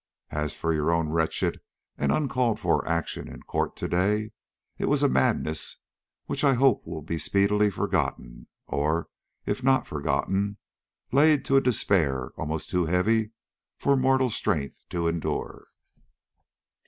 As for your own wretched and uncalled for action in court to day, it was a madness which I hope will be speedily forgotten, or, if not forgotten, laid to a despair almost too heavy for mortal strength to endure."